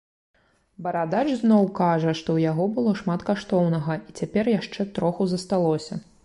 Барадач зноў кажа, што ў яго было шмат каштоўнага і цяпер яшчэ троху засталося.